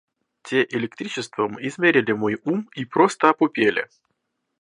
Те электричеством измерили мой ум и просто опупели.